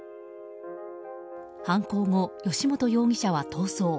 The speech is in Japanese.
犯行後、吉元容疑者は逃走。